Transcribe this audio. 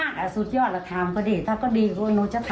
คุยนี่ก็ได้คุยนี่ก็ได้